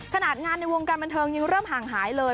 ขนาดงานในวงการบันเทิงยังเริ่มห่างหายเลย